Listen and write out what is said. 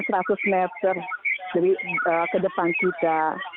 jadi seratus meter ke depan kita